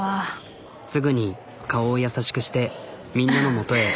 すぐに顔を優しくしてみんなの元へ。